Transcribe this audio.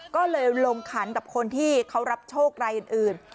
ก็เลยลงขันกับคนที่เขารับโชครายอื่น